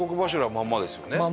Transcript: まんまですね。